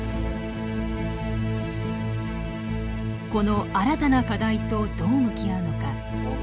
この新たな課題とどう向き合うのか。